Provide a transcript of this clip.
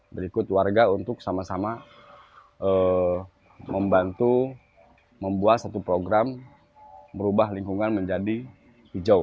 berikut warga untuk sama sama membantu membuat satu program merubah lingkungan menjadi hijau